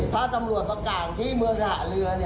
ถ้าตำรวจเก่าที่เมืองหนาเรือ